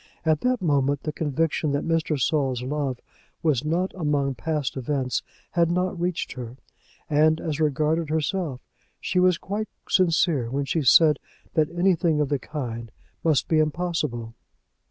At that moment the conviction that Mr. Saul's love was not among past events had not reached her; and as regarded herself, she was quite sincere when she said that anything of the kind must be impossible.